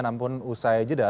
namun usai jeda